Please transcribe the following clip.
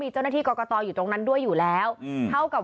เจ้าหน้าที่กรกตอยู่ตรงนั้นด้วยอยู่แล้วเท่ากับ